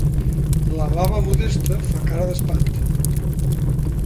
La baba Modesta fa cara d'espant.